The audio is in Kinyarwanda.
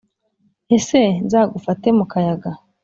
ese nzagufate mu kayaga